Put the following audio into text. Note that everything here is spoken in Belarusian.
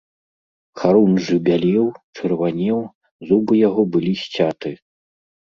Харунжы бялеў, чырванеў, зубы яго былі сцяты.